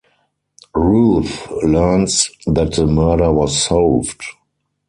Ruth learns that the murder was solved.